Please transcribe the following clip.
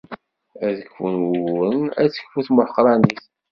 Ad kfun wuguren, ad tekfu tmuḥeqranit.